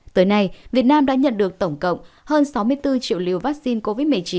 tới nay việt nam đã nhận được tổng cộng hơn sáu mươi bốn triệu liều vaccine covid một mươi chín